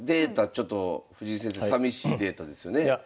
ちょっと藤井先生さみしいデータですよね。